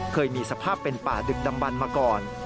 เคยมีสภาพเป็นป่าดึกดำบันมาก่อน